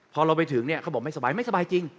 พอเราไปถึงเนี่ยเขาบอกไม่สบายไม่สบายจริง